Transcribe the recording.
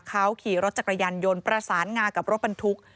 เขาขี่รถจักรยานยนต์ประสานงากับรถบรรทุก